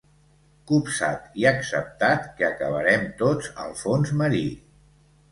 Copsat i acceptat que acabarem tots al fons marí.